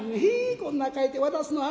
「こんなん書いて渡すの」。